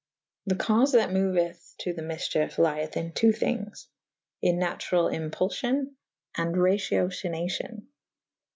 The caufe that moueth to the myfchefe lyeth in two thinges. In naturall impulfyon / and raciocinacion.